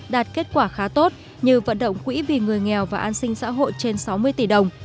đạt kết quả khá tốt như vận động quỹ vì người nghèo và an sinh xã hội trên sáu mươi tỷ đồng